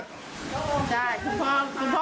คุณพ่อคุณพ่อรู้จักชื่อนักข่าวทุกคนนะครับ